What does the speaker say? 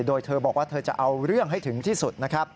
โดยเธอบอกว่าเธอจะเอาเรื่องให้ถึงที่สุดนะครับ